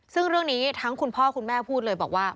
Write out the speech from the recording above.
ซึ่งเรื่องนี้ทั้งคุณพ่อคุณแม่พูดเลยบอกว่า